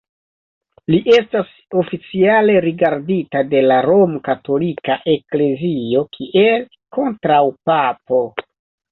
Li estas oficiale rigardita de la Romkatolika Eklezio kiel kontraŭpapo.